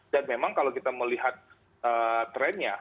dan memang kalau kita melihat trennya